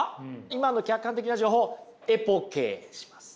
今の客観的な情報エポケーします。